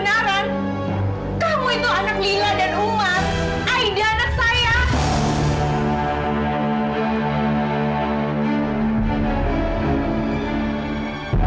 kamu harus ngomong sama mereka